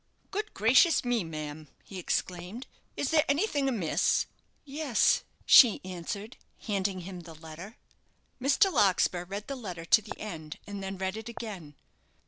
"Good gracious me, ma'am!" he exclaimed; "is there anything amiss?" "Yes," she answered, handing him the letter. Mr. Larkspur read the letter to the end, and then read it again.